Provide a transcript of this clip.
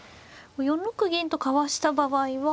４六銀とかわした場合は。